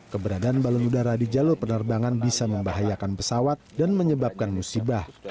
keberadaan balon udara di jalur penerbangan bisa membahayakan pesawat dan menyebabkan musibah